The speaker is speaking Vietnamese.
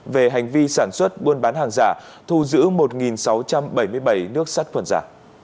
về hành vi sản xuất buôn bán hàng giả thu giữ một sáu trăm bảy mươi bảy nước sát khuẩn giả